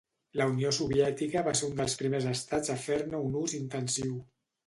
La Unió Soviètica va ser un dels primers estats a fer-ne un ús intensiu.